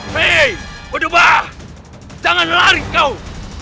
hei berdua jangan lari kau